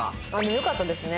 よかったですね。